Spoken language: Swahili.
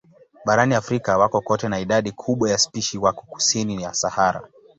Barani Afrika wako kote na idadi kubwa ya spishi wako kusini ya Sahara.